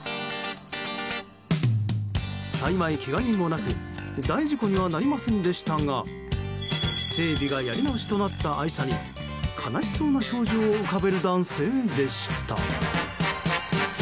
幸い、けが人もなく大事故にはなりませんでしたが整備がやり直しとなった愛車に悲しそうな表情を浮かべる男性でした。